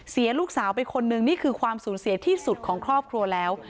เสียลูกสาวไปคนนึงนี่คือความสูญเสียที่สุดของครอบครัวแล้ว